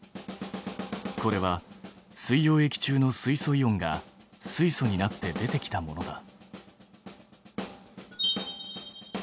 これは水溶液中の水素イオンが水素になって出てきたものだ。